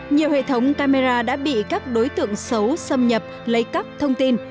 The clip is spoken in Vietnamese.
nhiều hệ thống camera đã bị các đối tượng xấu xâm nhập lấy cắp thông tin